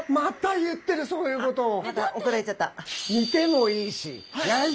また怒られちゃった。